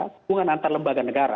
hubungan antar lembaga negara